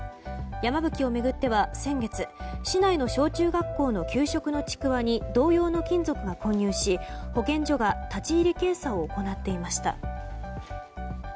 山吹を巡っては先月、市内の小中学校の給食のちくわに同様の金属が混入し保健所が立ち入り検査を行っていました。